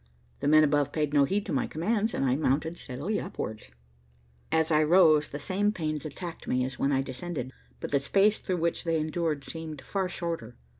The men above paid no heed to my commands, and I mounted steadily upwards. As I rose the same pains attacked me as when I descended, but the space through which they endured seemed far shorter.